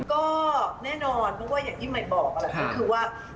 ก็แน่นอนเพราะว่าอย่างที่ใหม่บอกนั่นแหละก็คือว่า